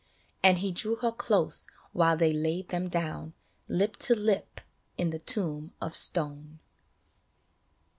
And he drew her close while they laid them down Lip to lip in the tomb of stone.